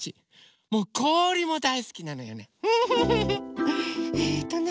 こおりもだいすきなのよね。